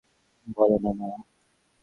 বলো না, মা।